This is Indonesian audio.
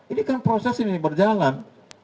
ini kan proses ini berjalan